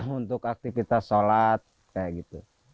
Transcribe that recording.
untuk aktivitas sholat kayak gitu